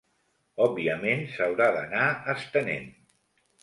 Òbviament s’haurà d’anar estenent.